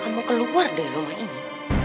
kamu keluar dari rumah ini